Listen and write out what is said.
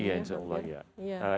iya insya allah